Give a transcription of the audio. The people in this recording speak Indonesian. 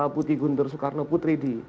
putih guntur soekarno putri di